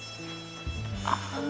ああ。